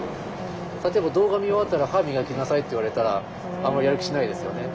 例えば「動画見終わったら歯磨きなさい」って言われたらあまりやる気しないですよね。